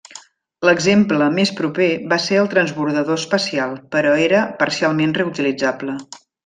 L'exemple més proper va ser el transbordador espacial, però era parcialment reutilitzable.